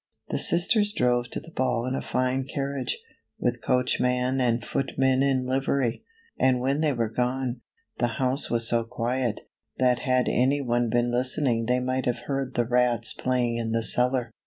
The sisters drove to the ball in a fine carriage, with coach man and footmen in livery, and when they were gone the house was so quiet, that had any one been listening they might have heard the rats playing in the cellar.